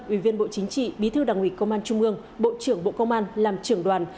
ủy viên bộ chính trị bí thư đảng ủy công an trung ương bộ trưởng bộ công an làm trưởng đoàn